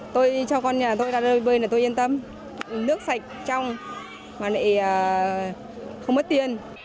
tôi cho con nhà tôi ra rơi vơi là tôi yên tâm nước sạch trong mà lại không mất tiền